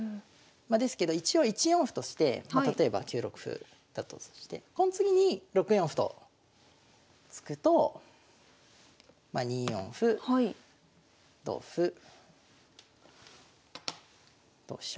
ですけど一応１四歩として例えば９六歩だったとしてこの次に６四歩と突くとまあ２四歩同歩同飛車。